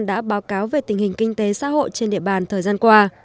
đã báo cáo về tình hình kinh tế xã hội trên địa bàn thời gian qua